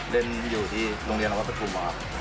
เรียนอยู่ที่โรงเรียนวัดปฐุมครับ